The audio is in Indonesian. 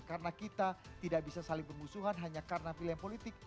karena kita tidak bisa saling pengusuhan hanya karena pilihan politik